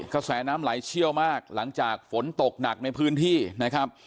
กระแสน้ำไหลเชี่ยวมากหลังจากฝนตกหนักในพื้นที่นะครับ